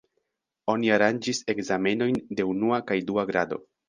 Oni aranĝis ekzamenojn de unua kaj dua grado.